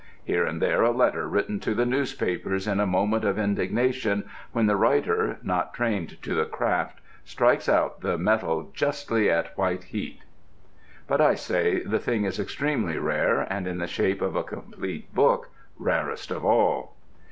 Here and there a letter written to the newspapers in a moment of indignation when the writer, not trained to the craft, strikes out the metal justly at white heat. But, I say, the thing is extremely rare, and in the shape of a complete book rarest of all.